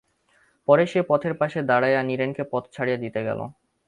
পরে সে পথের পাশে দাঁড়াইয়া নীরেনকে পথ ছাড়িয়া দিতে গেল।